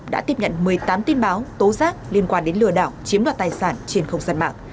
đã tiếp nhận một mươi tám tin báo tố giác liên quan đến lừa đảo chiếm đoạt tài sản trên không gian mạng